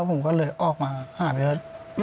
ผมก็เลยออกมาหาเบี้ยว